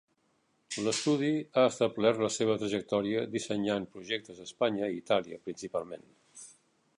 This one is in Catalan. L'estudi ha establert la seva trajectòria dissenyant projectes a Espanya i Itàlia principalment.